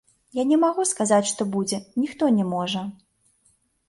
Я не магу сказаць, што будзе, ніхто не можа.